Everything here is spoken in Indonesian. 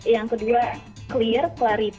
yang kedua clear clarity